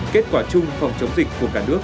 kết quả chung phòng chống dịch của cả nước